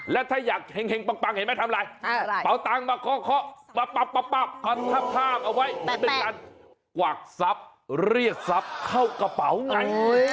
แล้วถ้าอยากเห็งปังเห็นไหมทำอะไรเปาตังมาเคาะปับเอาไว้เป็นการกวักซับเรียกซับเข้ากระเป๋าไง